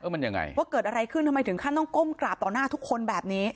มันยังไงว่าเกิดอะไรขึ้นทำไมถึงขั้นต้องก้มกราบต่อหน้าทุกคนแบบนี้